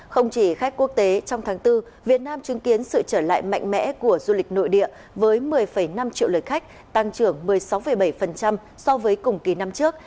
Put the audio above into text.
không chỉ khách quốc tế trong tháng bốn việt nam chứng kiến sự trở lại mạnh mẽ của du lịch nội địa với một mươi năm triệu lời khách tăng trưởng một mươi sáu bảy so với cùng kỳ năm trước